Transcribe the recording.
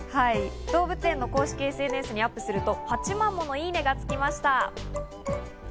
動物園の公式ＳＮＳにアップすると８万ものいいねがつきました。